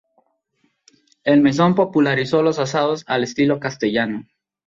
El mesón popularizó los asados al estilo castellano.